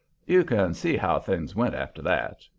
You can see how things went after that.